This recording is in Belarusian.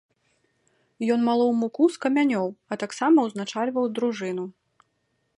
Ён малоў муку з камянёў, а таксама ўзначальваў дружыну.